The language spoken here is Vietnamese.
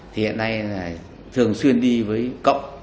thì hiện nay thường xuyên đi với cậu